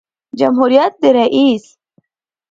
جمهوریت د رئیس